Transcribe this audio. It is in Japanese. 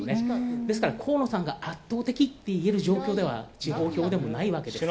ですから、河野さんが圧倒的といえる状況では地方票でも、ないわけですね。